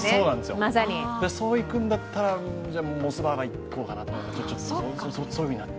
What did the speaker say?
そういくんだったら、じゃあモスバーガー行こうかなとか、そういうふうになる。